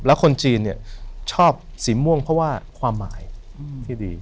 แล้วคนจีนเนี่ยชอบสีม่วงเพราะว่าความหมายที่ดี